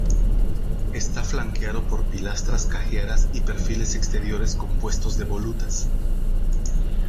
Está flanqueado por pilastras cajeadas y perfiles exteriores compuestos de volutas.